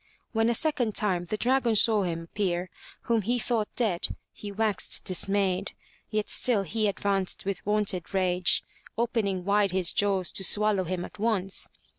When a second time the dragon saw him appear whom he thought dead, he waxed dismayed. Yet still he advanced with wonted rage, opening wide his jaws to swallow him at once.